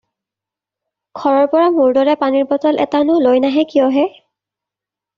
ঘৰৰ পৰা মোৰ দৰে পানীৰ বটল এটানো লৈ নাহে কিয় হে'?